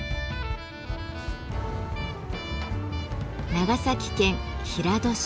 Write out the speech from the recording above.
長崎県平戸市。